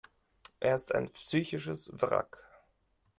Er ist ein psychisches Wrack.